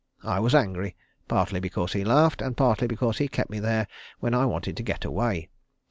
I was angry, partly because he laughed, and partly because he kept me there when I wanted to get away.